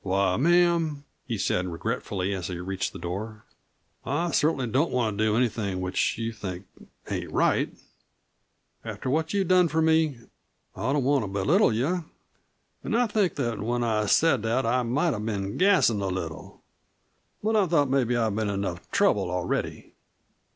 "Why, ma'am," he said regretfully as he reached the door, "I cert'nly don't want to do anything which you think ain't right, after what you've done for me. I don't want to belittle you, an' I think that when I said that I might have been gassin' a little. But I thought mebbe I'd been enough trouble already."